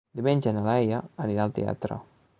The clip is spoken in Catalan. Diumenge na Laia anirà al teatre.